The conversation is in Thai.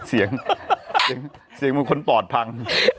เสียงเสียงมีคนปอดพัง